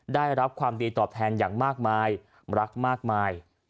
ได้รับความดีตอบแทนอย่างมากมายรักมากมาย